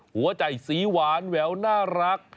หัวใจสีหวานแหววน่ารัก